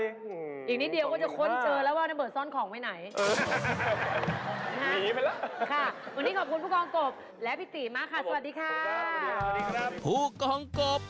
อีกนิดเดียวก็จะค้นเจอแล้วว่าระเบิดซ่อนของไว้ไหน